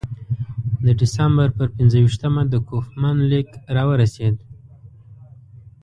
د ډسامبر پر پنځه ویشتمه د کوفمان لیک راورسېد.